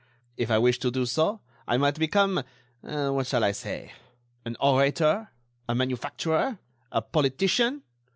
If I wished to do so, I might become—what shall I say?... An orator, a manufacturer, a politician....